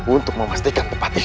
untuk menghound vrai